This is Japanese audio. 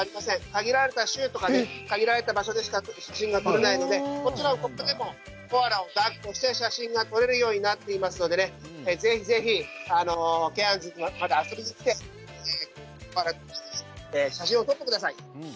限られた州や場所でしか写真は撮れないのでこちらはコアラをだっこして写真が撮れるようになっていますのでぜひぜひケアンズに遊びに来て写真を撮ってください。